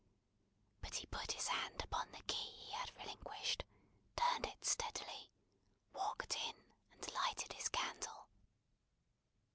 But he put his hand upon the key he had relinquished, turned it sturdily, walked in, and lighted his candle.